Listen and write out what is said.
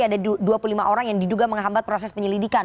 ada dua puluh lima orang yang diduga menghambat proses penyelidikan